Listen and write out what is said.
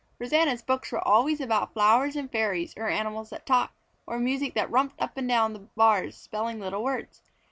Rosanna's books were always about flowers and fairies, or animals that talked, or music that romped up and down the bars spelling little words.